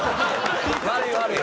悪い悪い！